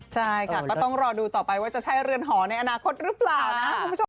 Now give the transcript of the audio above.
ใช่ค่ะก็ต้องรอดูต่อไปว่าจะใช่เรือนหอในอนาคตหรือเปล่านะคุณผู้ชม